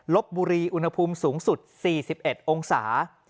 ลบบุรีอุณหภูมิสูงสุด๔๑องศา